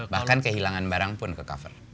bahkan kehilangan barang pun ke cover